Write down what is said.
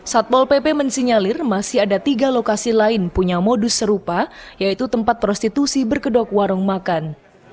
satpol pp mensinyalir masih ada tiga lokasi lain punya modus serupa yaitu tempat prostitusi berkedok warung makan